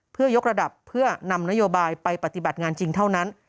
เพื่อยกระดับเพื่อนำนโยบายไปปฏิบัติงานจริงเท่านั้น